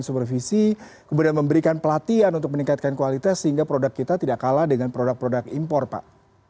supervisi kemudian memberikan pelatihan untuk meningkatkan kualitas sehingga produk kita tidak kalah dengan produk produk impor pak